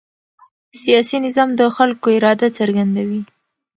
سیاسي نظام د خلکو اراده څرګندوي